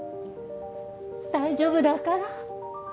大丈夫だから。